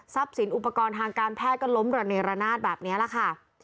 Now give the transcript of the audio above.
สินอุปกรณ์ทางการแพทย์ก็ล้มระเนรนาศแบบนี้แหละค่ะ